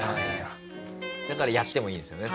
だからやってもいいんですよね？